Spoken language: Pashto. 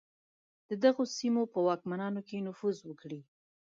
د دغو سیمو په واکمنانو کې نفوذ وکړي.